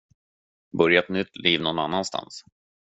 Börja ett nytt liv någon annanstans.